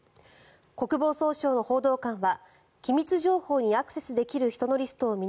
国防総省の報道官は